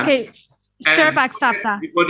oke terima kasih banyak banyak